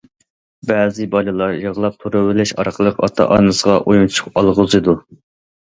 بەزى بالىلار يىغلاپ تۇرۇۋېلىش ئارقىلىق ئاتا- ئانىسىغا ئويۇنچۇق ئالغۇزىدۇ.